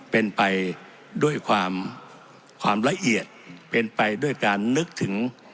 เป็นไปด้วยความความละเอียดเป็นไปด้วยการนึกถึง